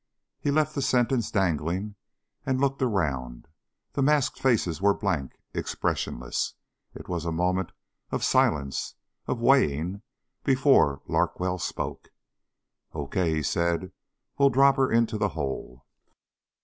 He left the sentence dangling and looked around. The masked faces were blank, expressionless. It was a moment of silence, of weighing, before Larkwell spoke. "Okay," he said, "we drop her into the hole."